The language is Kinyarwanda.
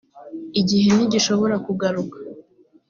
igihe ntigishobora kugaruka.